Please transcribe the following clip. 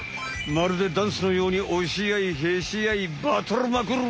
まるでダンスのようにおしあいへしあいバトルまくる！